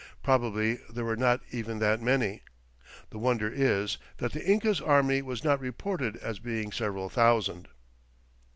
Probably there were not even that many. The wonder is that the Inca's army was not reported as being several thousand.